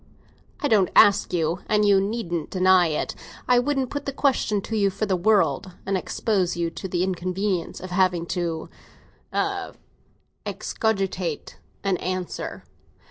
"I don't ask you, and you needn't deny it. I wouldn't put the question to you for the world, and expose you to the inconvenience of having to—a—excogitate an answer.